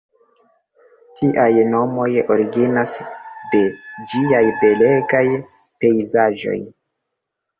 Tiaj nomoj originas de ĝiaj belegaj pejzaĝoj.